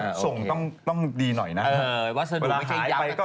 แต่ว่าส่งต้องดีหน่อยนะครับ